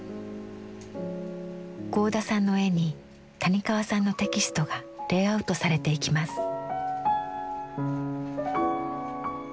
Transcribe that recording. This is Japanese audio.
合田さんの絵に谷川さんのテキストがレイアウトされていきます。